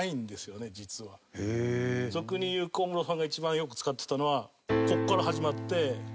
俗に言う小室さんが一番よく使っていたのはここから始まって。